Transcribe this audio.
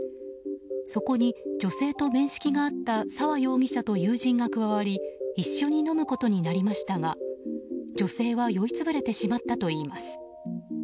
そこに女性と面識のあった澤容疑者と友人が加わり一緒に飲むことになりましたが女性は酔い潰れてしまったといいます。